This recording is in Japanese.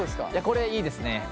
これいいですね。